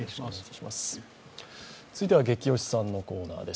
続いては「ゲキ推しさん」のコーナーです。